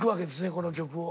この曲を。